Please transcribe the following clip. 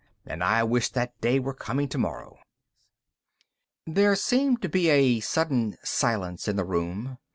And I wish that day were coming tomorrow." There seemed to be a sudden silence in the room.